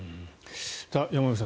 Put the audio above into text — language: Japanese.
山口さん